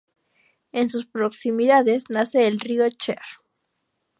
En sus proximidades nace el río Cher.